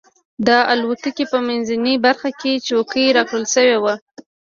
د الوتکې په منځۍ برخه کې چوکۍ راکړل شوې وه.